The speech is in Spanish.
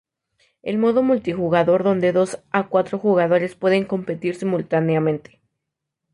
El modo multijugador donde dos a cuatro jugadores pueden competir simultáneamente.